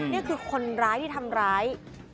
นี่คือคนร้ายที่ทำร้าย